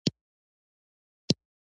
ما ولیدل چې په پارک کې خلک ګرځي